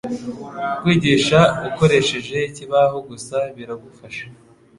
kwigisha ukoresheje ikibaho gusa biragufasha